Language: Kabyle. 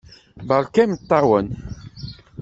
Beṛka imeṭṭawen!